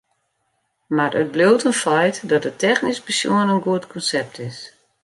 Mar it bliuwt in feit dat it technysk besjoen in goed konsept is.